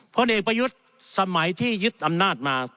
พลเอกประยุทธ์สมัยที่ยึดอำนาจมา